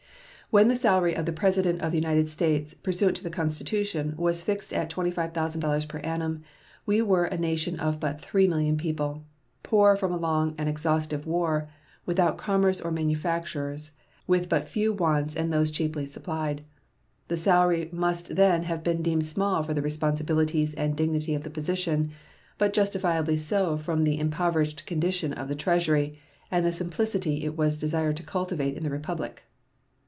When the salary of the President of the United States, pursuant to the Constitution, was fixed at $25,000 per annum, we were a nation of but 3,000,000 people, poor from a long and exhaustive war, without commerce or manufactures, with but few wants and those cheaply supplied. The salary must then have been deemed small for the responsibilities and dignity of the position, but justifiably so from the impoverished condition of the Treasury and the simplicity it was desired to cultivate in the Republic.